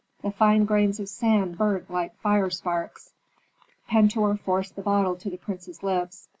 The fine grains of sand burnt like fire sparks. Pentuer forced the bottle to the prince's lips.